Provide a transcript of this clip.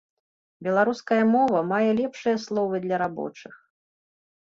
Беларуская мова мае лепшыя словы для рабочых.